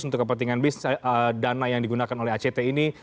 untuk kepentingan dana yang digunakan oleh act ini